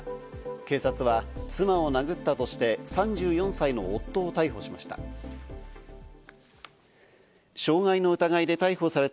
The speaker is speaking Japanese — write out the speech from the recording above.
警察は妻を殴ったとして、３４歳の夫を逮捕しました。